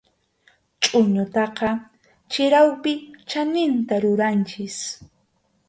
Chʼuñutaqa chirawpi chaninta ruranchik.